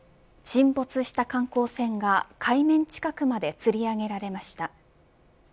沈没した観光船が海面近くまでつり上げられました。